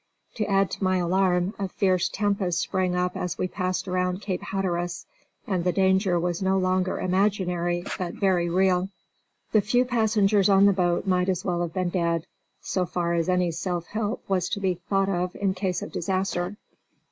To add to my alarm, a fierce tempest sprang up as we passed around Cape Hatteras, and the danger was no longer imaginary, but very real. The few passengers on the boat might as well have been dead, so far as any self help was to be thought of in case of disaster.